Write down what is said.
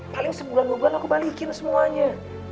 paling sebulan dua bulan aku balikin semuanya